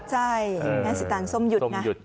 ใช่แม่สตางค์ส้มหยุดนะ